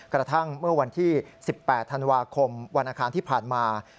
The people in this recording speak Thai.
กระทั่งเมื่อวันที่๑๘ธันวาคมวันอาคารที่ผ่านมา